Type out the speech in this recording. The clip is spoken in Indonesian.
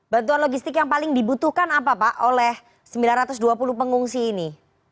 bantuan logistik yang paling dibutuhkan apa pak oleh sembilan ratus dua puluh pengungsi ini